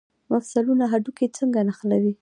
مفصلونه هډوکي څنګه نښلوي؟